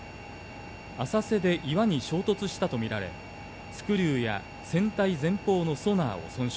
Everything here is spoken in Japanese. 浅瀬で岩に衝突したとみられ、スクリューや船体前方のソナーを損傷。